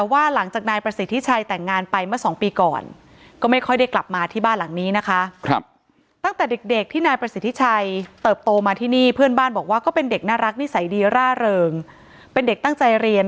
ว่าก็เป็นเด็กน่ารักนิสัยดีร่าเริงเป็นเด็กตั้งใจเรียน